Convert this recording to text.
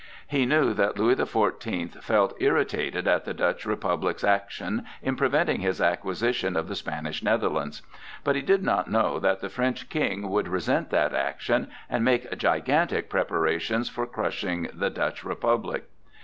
He knew that Louis the Fourteenth felt irritated at the Dutch Republic's action in preventing his acquisition of the Spanish Netherlands; but he did not know that the French King would resent that action, and make gigantic preparations for crushing the Dutch Republic.